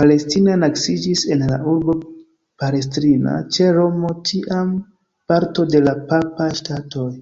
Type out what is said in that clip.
Palestrina naskiĝis en la urbo Palestrina, ĉe Romo, tiam parto de la Papaj Ŝtatoj.